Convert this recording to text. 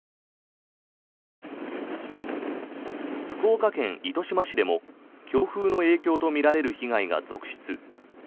福岡県糸島市でも強風の影響とみられる被害が続出。